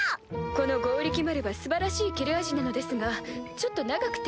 この剛力丸は素晴らしい切れ味なのですがちょっと長くて。